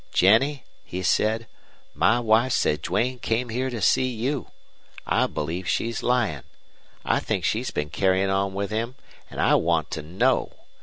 "'Jennie,' he said, 'my wife said Duane came here to see you. I believe she's lyin'. I think she's been carryin' on with him, an' I want to KNOW.